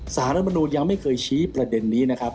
สารรัฐมนุนยังไม่เคยชี้ประเด็นนี้นะครับ